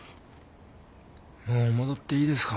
もう戻っていいですか？